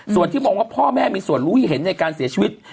ส่วนที่มองว่าพ่อแม่มีส่วนรู้เห็นในการเสียชีวิต